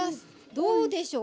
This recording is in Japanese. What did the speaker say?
どうでしょう。